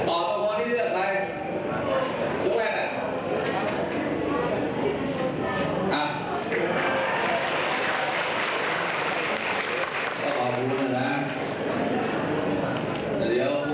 ก็ขอบุญด้วยนะแต่เดี๋ยวผู้เลี้ยงสื่อก็รอผมเละเลยล่ะ